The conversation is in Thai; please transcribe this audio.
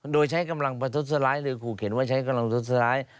โดยใช้กำลังประทุษร้ายหรือขู่เข็นว่าใช้กำลังทดสลาย